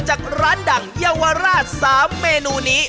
จากร้านดังเยาวราช๓เมนูนี้